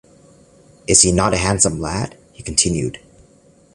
‘Is he not a handsome lad?’ he continued.